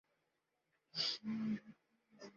অর্চনা অন্ধ্র প্রদেশে জন্মগ্রহণ করেন।